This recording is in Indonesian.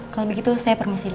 kalau begitu saya permisi